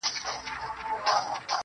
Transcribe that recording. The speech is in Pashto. لکه کنگل تودو اوبو کي پروت يم.